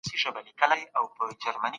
خاوند هغي ميرمني ته زياته توجه کوي.